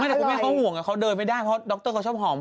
แต่ก็เพิ่งเขาห่วงอ่ะเข้าเดินไม่ได้เพราะดคเตอร์เขาชอบหอมผม